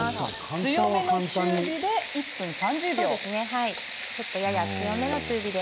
強めの中火で１分３０秒ですね。